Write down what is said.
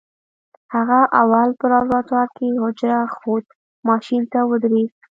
هغه اول په لابراتوار کې حجره ښود ماشين ته ودرېد.